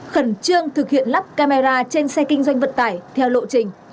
khẩn trương thực hiện lắp camera trên xe kinh doanh vận tải theo lộ trình